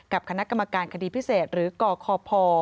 กับคณะกรรมการคดีพิเศษหรือกคพ